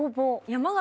山形